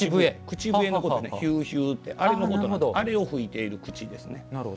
ヒューヒューってあれを吹いている口ですね。